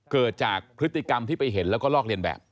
เกิดจากพฤติกรรมที่ไปเห็นแล้วก็ลอกเรียนแบบ